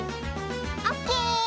オッケー！